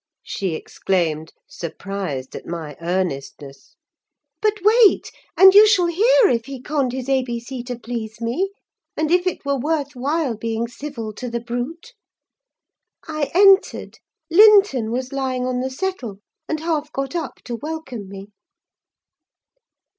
she exclaimed, surprised at my earnestness. "But wait, and you shall hear if he conned his A B C to please me; and if it were worth while being civil to the brute. I entered; Linton was lying on the settle, and half got up to welcome me.